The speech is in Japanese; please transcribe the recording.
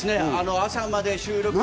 朝まで収録して。